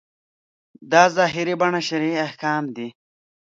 دا ظاهري بڼه شرعي احکام دي.